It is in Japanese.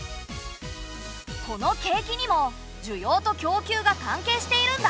この景気にも需要と供給が関係しているんだ。